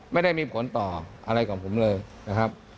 ไม่ได้มีผลต่ออะไรของผมเลยนะครับ